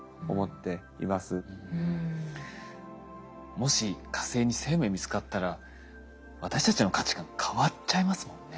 もし火星に生命見つかったら私たちの価値観変わっちゃいますもんね。